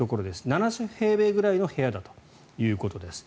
７０平米くらいの部屋だということです。